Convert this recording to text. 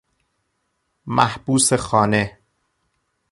محبوس خانه